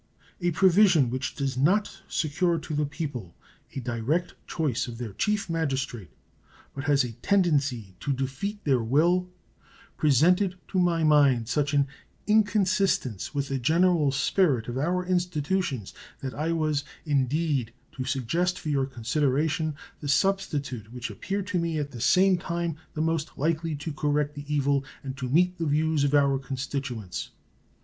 A provision which does not secure to the people a direct choice of their Chief Magistrate, but has a tendency to defeat their will, presented to my mind such an inconsistence with the general spirit of our institutions that I was indeed to suggest for your consideration the substitute which appeared to me at the same time the most likely to correct the evil and to meet the views of our constituents.